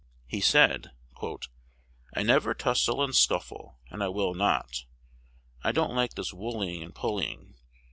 He said, "I never tussle and scuffle, and I will not: I don't like this wooling and pulling."